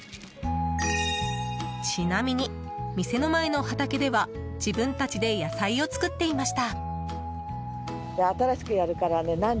ちなみに店の前の畑では自分たちで野菜を作っていました。